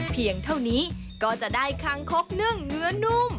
เพียงเท่านี้ก็จะได้คางคกนึ่งเนื้อนุ่ม